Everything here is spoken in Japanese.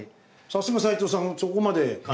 さすが齋藤さんはそこまで鑑賞。